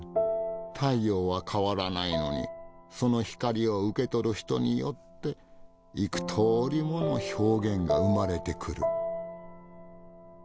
太陽は変わらないのにその光を受け取る人によって幾とおりもの表現が生まれてくる。